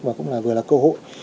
và cũng là vừa là cơ hội